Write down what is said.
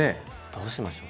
どうしましょう。